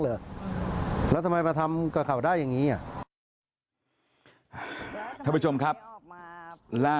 ลายพยาบาลก็จะรวมกรณีของคุณจุ่มด้วยนะฮะ